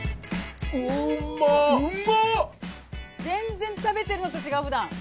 全然食べてるのと違うな。